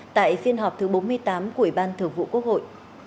tại phiên họp thứ bốn mươi tám của ủy ban thường vụ quốc hội